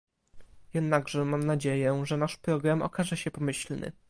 Jednakże mam nadzieję, że nasz program okaże się pomyślny